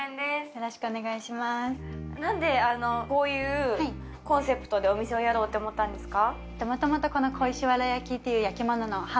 よろしくお願いしますなんでこういうコンセプトでお店をやろうと思ったんですか？